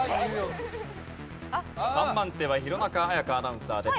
３番手は弘中綾香アナウンサーです。